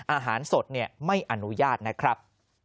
อาหารสดไม่อนุญาตนะครับ